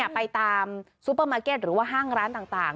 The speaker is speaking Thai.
ไปตามซูเปอร์มาร์เก็ตหรือว่าห้างร้านต่าง